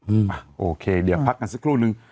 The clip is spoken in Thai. อ่ะโอเคเดี๋ยวพักกันสักครู่นึง